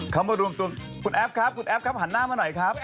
เขามารูมตัวครับครับหันหน้ามาหน่อยครับ